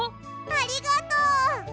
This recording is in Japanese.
ありがとう。